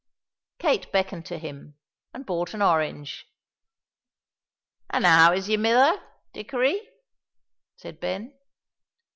Kate beckoned to him, and bought an orange. "An' how is your mither, Dickory?" said Ben.